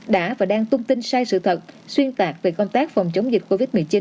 đã và đang tung tin sai sự thật xuyên tạc về công tác phòng chống dịch covid một mươi chín